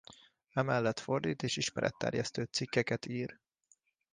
Emellett fordít és ismeretterjesztő cikkeket ír.